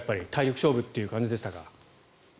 体力勝負という感じでしたか？